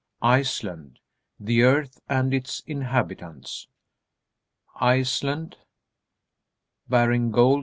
_ ICELAND: "The Earth and Its Inhabitants," "Iceland," Baring Gould.